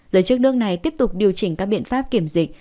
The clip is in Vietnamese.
giới chức nước này tiếp tục điều chỉnh các biện pháp kiểm dịch